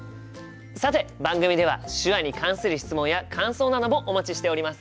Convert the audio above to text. さて番組では手話に関する質問や感想などもお待ちしております。